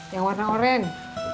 yang warna oranye